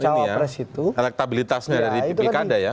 cowapres itu jadi sekaligus melihat ini ya elektabilitasnya